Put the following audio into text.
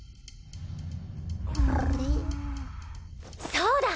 そうだ！